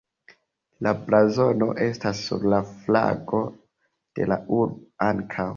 La blazono estas sur la flago de la urbo ankaŭ.